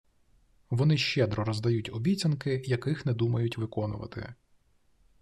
Вони щедро роздають обіцянки, яких не думають виконувати